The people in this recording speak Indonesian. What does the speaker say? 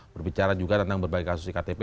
berbicara juga tentang berbagai kasus iktp